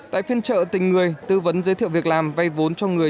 tại phiên trợ tình người tư vấn giới thiệu việc làm vay vốn cho người